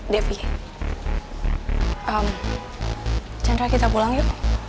devi chandra kita pulang yuk